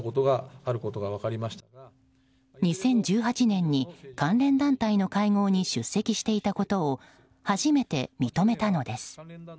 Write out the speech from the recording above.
２０１８年に関連団体の会合に出席していたことを初めて認めたのです。